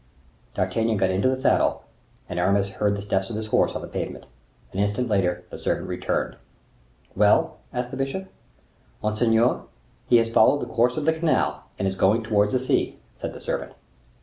D'Artagnan got into the saddle, and Aramis heard the steps of his horse on the pavement. An instant after, the servant returned. "Well?" asked the bishop. "Monseigneur, he has followed the course of the canal, and is going towards the sea," said the servant.